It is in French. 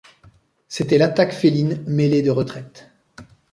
C’était l’attaque féline, mêlée de retraite.